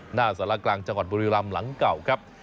หน้าสารกลางจังหวัดบุรีรำหลังเก่าครับ